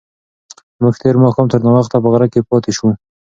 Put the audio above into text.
موږ تېر ماښام تر ناوخته په غره کې پاتې شوو.